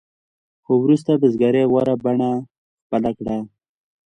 خو وروسته بزګرۍ غوره بڼه خپله کړه.